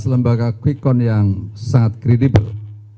dua belas lembaga kuikon yang sangat credible